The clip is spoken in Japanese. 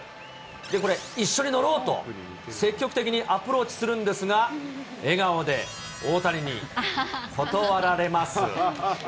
これ、一緒に乗ろうと積極的にアプローチするんですが、笑顔で大谷に断られます。